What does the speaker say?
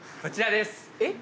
えっ？